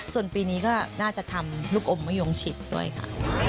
ส่วนปีนี้ก็น่าจะทำลูกอมมะยงชิดด้วยค่ะ